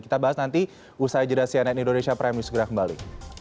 kita bahas nanti usai jeda cnn indonesia prime news segera kembali